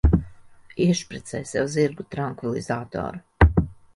Iešpricē sev zirgu trankvilizatoru.